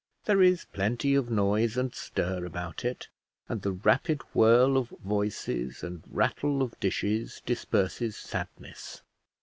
There is plenty of noise and stir about it, and the rapid whirl of voices and rattle of dishes disperses sadness.